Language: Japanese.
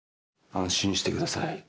安心してください。